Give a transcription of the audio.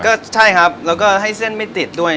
ก็ใช่ครับแล้วก็ให้เส้นไม่ติดด้วย